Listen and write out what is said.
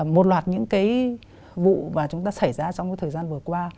một loạt những vụ mà chúng ta xảy ra trong thời gian vừa qua